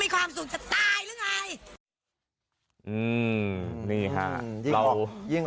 พี่เคยมีความสุขเหรอคะเห็นกูมีความสุขจะตายหรือไง